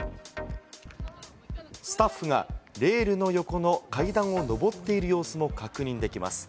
スタッフがレールの横の階段を上っている様子も確認できます。